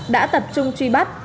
đã tập trung truy bắt